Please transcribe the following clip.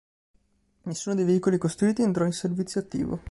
Nessuno dei veicoli costruiti entrò in servizio attivo.